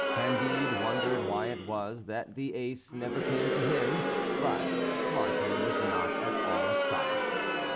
Candide wondered why it was that the ace never came to him; but Martin was not at all astonished.